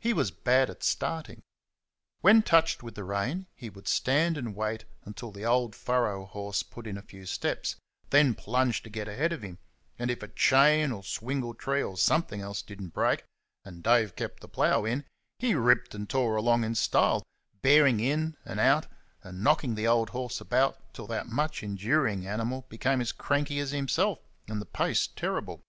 He was bad at starting. When touched with the rein he would stand and wait until the old furrow horse put in a few steps; then plunge to get ahead of him, and if a chain or a swingle tree or something else did n't break, and Dave kept the plough in, he ripped and tore along in style, bearing in and bearing out, and knocking the old horse about till that much enduring animal became as cranky as himself, and the pace terrible.